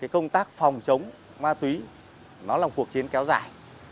công tác phòng chống ma túy là một cuộc chiến kéo dài